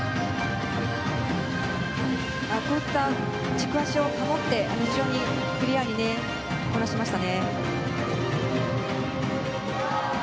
軸足を保って非常にクリアにこなしました。